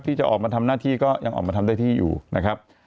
ที่จะออกมาทำหน้าที่ก็ยังออกมาทำได้ที่อยู่นะครับ